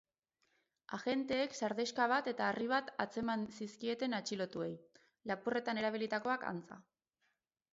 Agenteek sardexka bat eta harri bat atzeman zizkieten atxilotuei, lapurretan erabilitakoak antza.